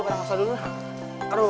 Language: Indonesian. terus em tidak ada